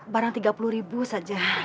barang rp tiga puluh ribu saja